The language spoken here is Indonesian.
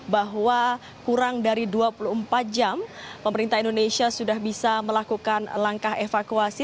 bahwa kurang dari dua puluh empat jam pemerintah indonesia sudah bisa melakukan langkah evakuasi